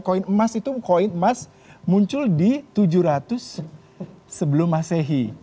koin emas itu muncul di tujuh ratus sebelum masehi